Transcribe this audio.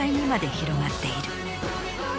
広がっている。